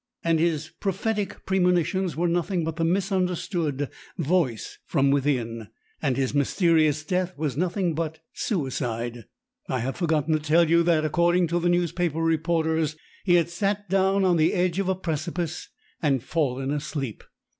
And his prophetic premonitions were nothing but the misunderstood voice from within. And his mysterious death was nothing but suicide. I have forgotten to tell you that, according to the newspaper reporters, he had sat down on the edge of a precipice and fallen asleep.